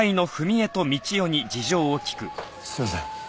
すいません。